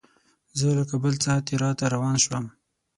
زه له کابل څخه تیراه ته روان شوم.